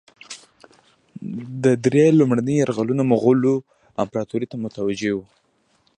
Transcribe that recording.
ده درې لومړني یرغلونه مغولو امپراطوري ته متوجه وه.